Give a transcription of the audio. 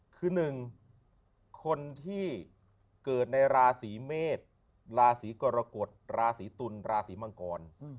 คือ๑คนที่เกิดในราศีเมษราศีกรกฎราศีตุลราศีมังกร